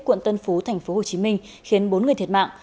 quận tân phú tp hcm khiến bốn người thiệt mạng